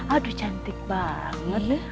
aduh cantik banget